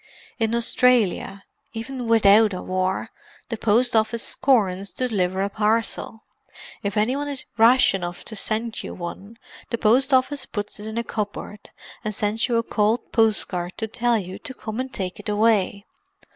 In Australia, even without a war, the post office scorns to deliver a parcel; if any one is rash enough to send you one the post office puts it in a cupboard and sends you a cold postcard to tell you to come and take it away.